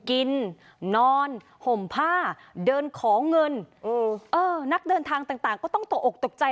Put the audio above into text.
กินนอนห่มผ้าเดินขอเงินนักเดินทางต่างต่างก็ต้องตกอกตกใจ